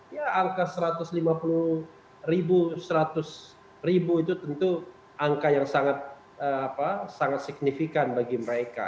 ya angka satu ratus lima puluh ribu seratus ribu itu tentu angka yang sangat signifikan bagi mereka